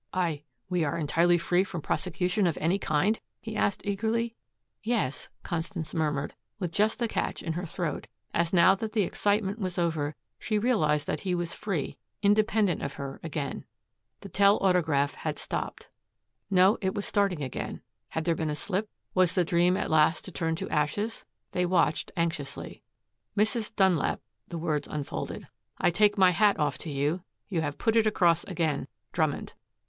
"I we are entirely free from prosecution of any kind?" he asked eagerly. "Yes," Constance murmured, with just a catch in her throat, as now that the excitement was over, she realized that he was free, independent of her again. The telautograph had stopped. No, it was starting again. Had there been a slip! Was the dream at last to turn to ashes? They watched anxiously. "Mrs. Dunlap," the words unfolded, "I take my hat off to you. You have put it across again. "DRUMMOND."